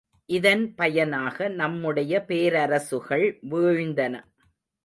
இதன் பயனாக நம்முடைய பேரரசுகள் வீழ்ந்தன.